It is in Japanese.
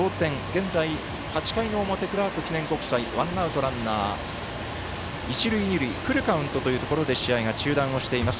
現在、８回の表クラーク記念国際ワンアウト、ランナー、一塁二塁フルカウントというところで試合が中断をしています。